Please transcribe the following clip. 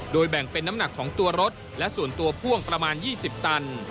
แบ่งเป็นน้ำหนักของตัวรถและส่วนตัวพ่วงประมาณ๒๐ตัน